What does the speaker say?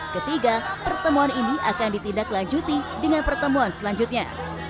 ketiga pertemuan ini akan ditindaklanjuti dengan pertemuan selanjutnya